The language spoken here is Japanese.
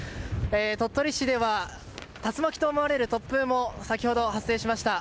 鳥取市では竜巻と思われる突風も先ほど発生しました。